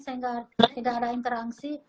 sehingga tidak ada interaksi